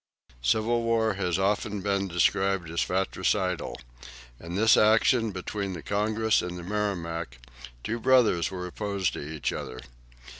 Civil war has often been described as fratricidal. In this action between the "Congress" and the "Merrimac" two brothers were opposed to each other.